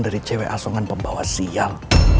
dari cewek asongan pembawa sial